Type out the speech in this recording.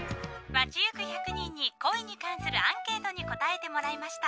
街行く１００人に恋に関するアンケートに答えてもらいました。